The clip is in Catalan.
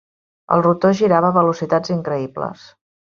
El rotor girava a velocitats increïbles.